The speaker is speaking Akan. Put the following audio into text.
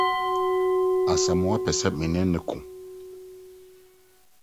Asamoa pɛ sɛ me ne no kɔ.